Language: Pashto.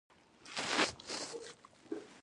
قاتل د امن دښمن ګڼل کېږي